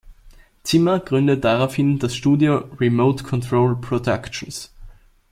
Zimmer gründet daraufhin das Studio "Remote Control Productions".